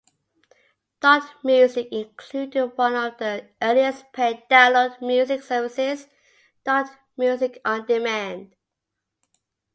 Dotmusic included one of the earliest pay download music services, Dotmusic On Demand.